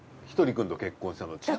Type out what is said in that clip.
ひとりくんと結婚したの。